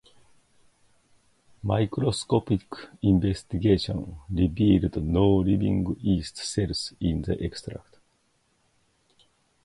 Microscopic investigation revealed no living yeast cells in the extract.